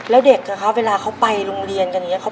ในแคมเปญพิเศษเกมต่อชีวิตโรงเรียนของหนู